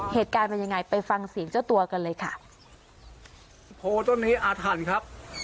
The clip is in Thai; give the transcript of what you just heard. เหตุการณ์มันยังไงไปฟังศีลเจ้าตัวกันเลยค่ะ